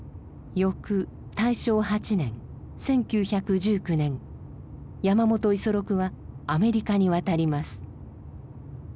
翌大正８年１９１９年山本五十六はアメリカに渡ります。